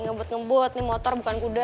ngebut ngebut ini motor bukan kuda